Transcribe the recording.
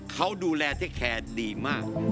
เขาดูแลเทคแคร์ดีมาก